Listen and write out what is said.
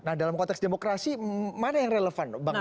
nah dalam konteks demokrasi mana yang relevan bang rey